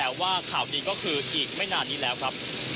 ติดตามการรายงานสดจากคุณทัศนายโค้ดทองค่ะ